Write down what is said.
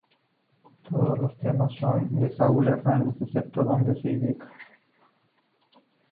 Todos los temas son de Saúl Hernández, excepto donde se indica.